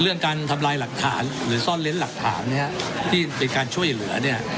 การทำลายหลักฐานหรือซ่อนเล้นหลักฐานเนี่ยที่เป็นการช่วยเหลือเนี่ย